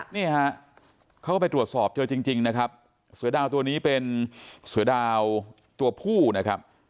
นี่ฮะเขาก็ไปตรวจสอบเจอจริงนะครับเสือดาวตัวนี้เป็นเสือดาวตัวผู้นะครับ